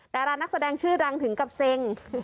แต่ละนักแสดงชื่อรังถึงกับเซง